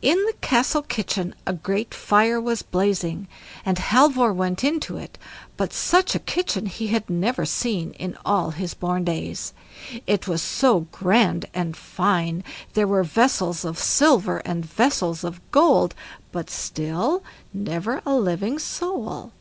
In the castle kitchen a great fire was blazing, and Halvor went into it, but such a kitchen he had never seen in all his born days. It was so grand and fine; there were vessels of silver and vessels of gold, but still never a living soul.